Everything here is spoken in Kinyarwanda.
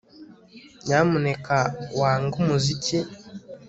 Nyamuneka wange umuziki